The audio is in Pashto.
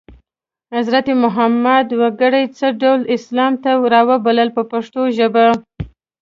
حضرت محمد وګړي څه ډول اسلام ته رابلل په پښتو ژبه.